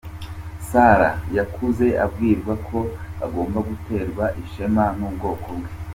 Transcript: Sarah, yakuze abwirwa ko agomba guterwa ishema n’ubwoko bwe.